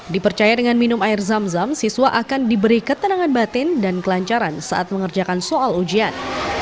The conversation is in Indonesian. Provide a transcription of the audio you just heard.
dipercaya dengan minum air zam zam siswa akan diberi ketenangan batin dan kelancaran saat mengerjakan soal ujian